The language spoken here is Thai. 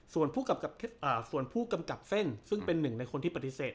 ส่วนผู้กำกับอ่าส่วนผู้กำกับเส้นซึ่งเป็นหนึ่งในคนที่ปฏิเสธ